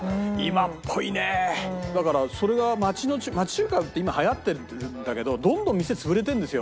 だからそれが町の町中華って今はやってるんだけどどんどん店潰れてるんですよ。